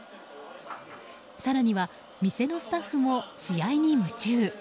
更には、店のスタッフも試合に夢中。